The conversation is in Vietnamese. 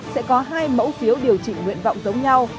sẽ có hai mẫu phiếu điều chỉnh nguyện vọng giống nhau